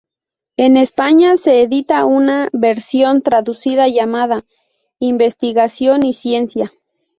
En España se edita una versión traducida llamada "Investigación y Ciencia".